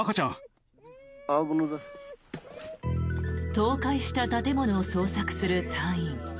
倒壊した建物を捜索する隊員。